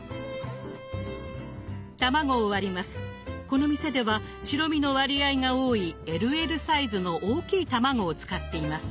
この店では白身の割合が多いＬＬサイズの大きい卵を使っています。